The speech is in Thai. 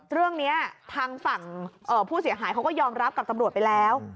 เรื่องนี้ทางฝั่งผู้เสียหายเขาก็ยอมรับกับตำรวจไปแล้ว